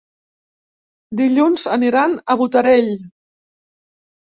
Dilluns aniran a Botarell.